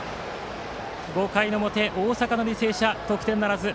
５回の表大阪の履正社は得点ならず。